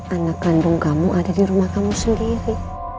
anak kandung kamu ada di rumah kamu sendiri